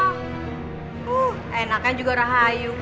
huuuh enak kan juga rahayu